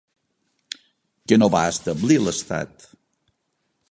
Què no va establir l'Estat?